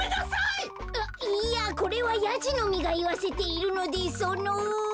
あっいやこれはヤジの実がいわせているのでその。